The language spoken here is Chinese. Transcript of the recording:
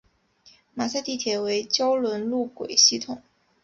马赛地铁为胶轮路轨系统。